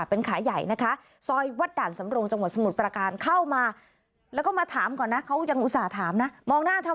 อ๋อป่าวดำเงินไหม